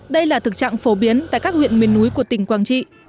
đây là thực trạng phổ biến tại các huyện miền núi của tỉnh quảng trị